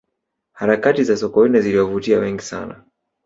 harakati za sokoine ziliwavutia wengi sana